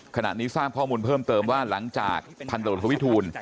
ขณะนี้ทราบข้อมูลเพิ่มเติมว่าหลังจากพันตรวจทวิทูล